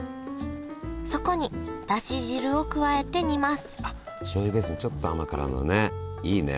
そこにだし汁を加えて煮ますあしょうゆベースにちょっと甘辛のねいいね。